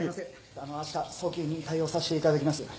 あのあした早急に対応させていただきます。